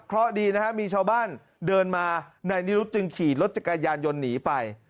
เพราะดีนะฮะมีชาวบ้านเดินมานายนิรุธจึงขี่รถจักรยานยนต์หนีไป